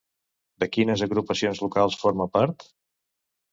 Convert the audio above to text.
De quines agrupacions locals forma part?